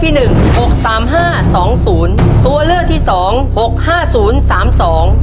หนึ่งหกสามห้าสองศูนย์ตัวเลือกที่สองหกห้าศูนย์สามสอง